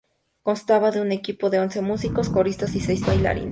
Constaba de un equipo de once músicos, coristas y seis bailarines.